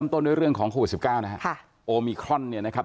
เริ่มต้นด้วยเรื่องของข้อ๑๙นะครับ